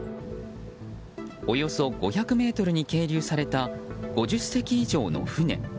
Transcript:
およそ５００ｍに係留された５０隻以上の船。